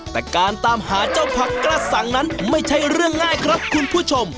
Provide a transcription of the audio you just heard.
แต่การตามหาเจ้าผักกระสังนั้นไม่ใช่เรื่องง่ายครับคุณผู้ชม